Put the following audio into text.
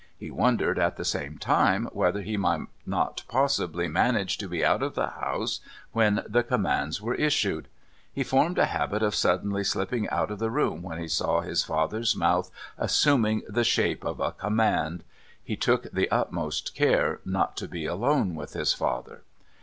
He wondered, at the same time, whether he might not possibly manage to be out of the house when the commands were issued. He formed a habit of suddenly slipping out of the room when he saw his father's mouth assuming the shape of a "command." He took the utmost care not to be alone with his father.